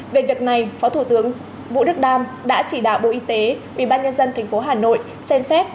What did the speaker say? về việc này phó thủ tướng vũ đức đam đã chỉ đạo bộ y tế ủy ban nhân dân tp hà nội xem xét